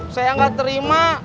saya gak terima